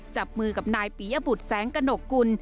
จับมือกับนายปียบุตรแสงกระหนกกุล